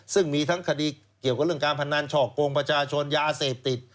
ซึ่งมีทั้งคดีเกี่ยวกับเรื่องการพนันช่อกงประชาชนยาเสพติด